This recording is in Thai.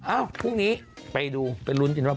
อ้าวพรุ่งนี้ไปดูไปลุ้นดินว่า